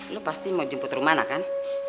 lo pasti mau jemput rumah kan